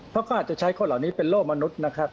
เพราะเขาอาจจะใช้คนเหล่านี้เป็นโลกมนุษย์นะครับ